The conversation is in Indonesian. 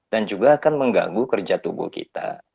dan juga akan mengganggu kerja tubuh kita